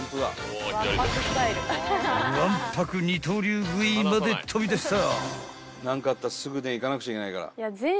［腕白二刀流喰いまで飛び出した！］